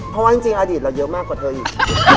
เพราะว่าจริงอดีตเราเยอะมากกว่าเธออีก